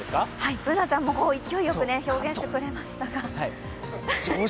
Ｂｏｏｎａちゃんも勢いよく表現してくれましたが。